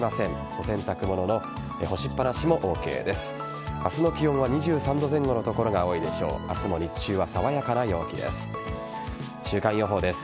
お洗濯物の干しっ放しもＯＫです。